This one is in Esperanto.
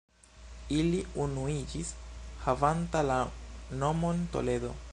Ili unuiĝis havanta la nomon Toledo.